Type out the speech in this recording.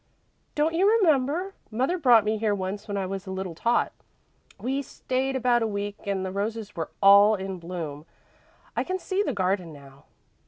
"Don't you remember? Mother brought me here once when I was a little tot. We stayed about a week and the roses were all in bloom. I can see the garden now.